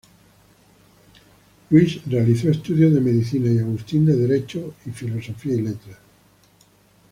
Luis realizó estudios de Medicina y Agustín de Derecho y Filosofía y Letras.